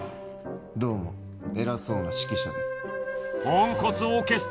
どうも偉そうな指揮者です。